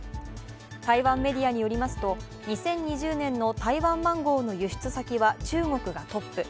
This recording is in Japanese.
台湾メディアによりますと２０２０年の台湾マンゴーの輸出先は中国がトップ。